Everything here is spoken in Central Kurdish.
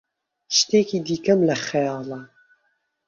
شتێکی دیکەم لە خەیاڵە.